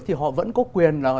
thì họ vẫn có quyền